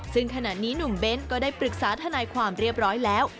ซึ่งขณะนี้หนุ่มเบ้นก็ได้ปรึกษาทนายความเรียบร้อยแล้ว